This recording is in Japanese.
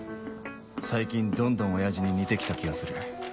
最近どんどん親父に似て来た気がする